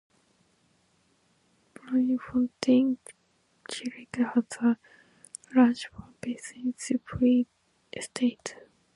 Bloemfontein Celtic has a large fan base in the Free State.